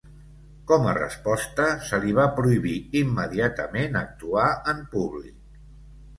Com a resposta, se li va prohibir immediatament actuar en públic.